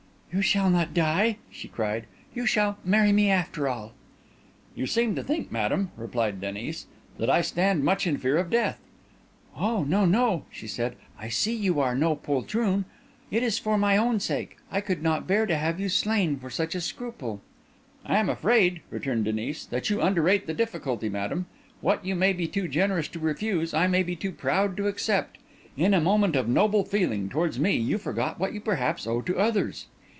"You shall not die!" she cried, "you shall marry me after all." "You seem to think, madam," replied Denis, "that I stand much in fear of death." "Oh no, no," she said, "I see you are no poltroon. It is for my own sake—I could not bear to have you slain for such a scruple." "I am afraid," returned Denis, "that you underrate the difficulty, madam. What you may be too generous to refuse, I may be too proud to accept. In a moment of noble feeling towards me, you forgot what you perhaps owe to others."